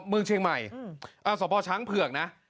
เมืองเชียงใหม่สพช้างเผือกนะ